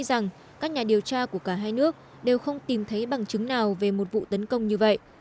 rằng các nhà điều tra của cả hai nước đều không tìm thấy bằng chứng nào về một vụ tấn công như vậy